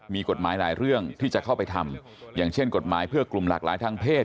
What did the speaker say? มีกฎหมายหลายเรื่องที่จะเข้าไปทำอย่างเช่นกฎหมายเพื่อกลุ่มหลากหลายทางเพศ